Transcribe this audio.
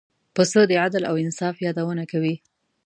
پسه د عدل او انصاف یادونه کوي.